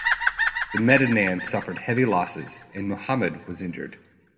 The Medinans suffered heavy losses, and Muhammad was injured.